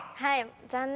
残念。